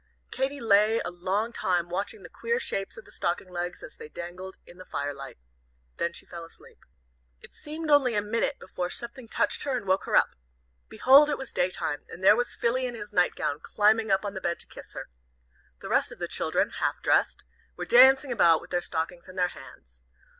Katy lay a long time watching the queer shapes of the stocking legs as they dangled in the firelight. Then she fell asleep. It seemed only a minute, before something touched her and woke her up. Behold, it was day time, and there was Philly in his nightgown, climbing up on the bed to kiss her! The rest of the children, half dressed, were dancing about with their stockings in their hands.